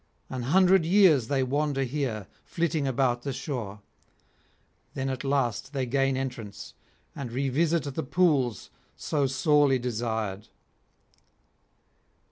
An hundred years they wander here flitting about the shore; then at last they gain entrance, and revisit the pools so sorely desired.'